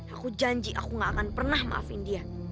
aku janji aku gak akan pernah maafin dia